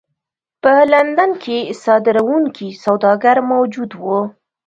په لندن کې صادروونکي سوداګر موجود وو.